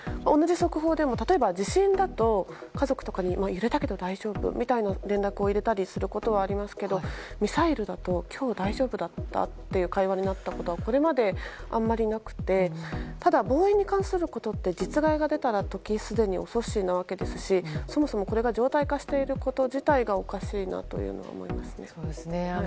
同じ速報でも例えば地震とかだと、家族に揺れたけど大丈夫？とか連絡を入れたりすることはありますけどミサイルだと今日大丈夫だった？という会話になったことはこれまであまりなくてただ防衛に関することって実害が出た時には時すでに遅しですしそもそも、これが常態化していること自体がおかしいなと思います。